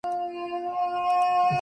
آزادیٔ اظہار کیلئے آواز اٹھاتے رہے۔